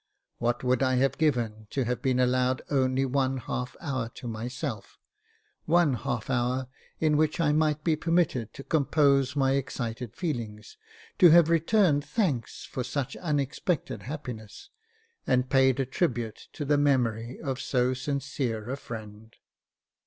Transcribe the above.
What would I have given to have been allowed only one half hour to myself — one half hour in which I might be permitted to compose my excited feelings — to have re turned thanks for such unexpected happiness, and paid a tribute to the memory of so sincere a friend.